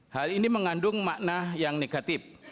hal ini mengandung makna yang negatif